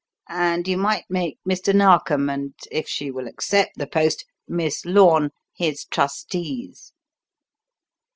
And you might make Mr. Narkom, and, if she will accept the post, Miss Lorne, his trustees."